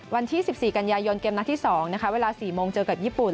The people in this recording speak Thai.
วันที่๑๔กันยายนเกมนัดที่๒นะคะเวลา๔โมงเจอกับญี่ปุ่น